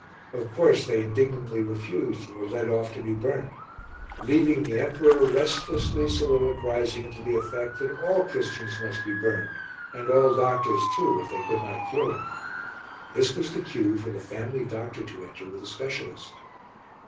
Of course, they indignantly refused and were led off to be burnt, leaving the emperor restlessly soliloquizing to the effect that all Christians must be burnt and all doctors, too, if they could not cure him. This was the cue for the family doctor to enter with a specialist.